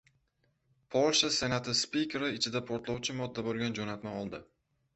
Polsha senati spikeri ichida portlovchi modda bo‘lgan jo‘natma oldi